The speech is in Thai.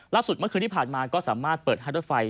เมื่อคืนที่ผ่านมาก็สามารถเปิดให้รถไฟ